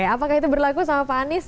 apakah itu berlaku sama pak anies